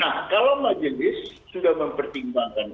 nah kalau majelis sudah mempertimbangkan